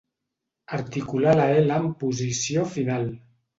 Articular la ela en posició final.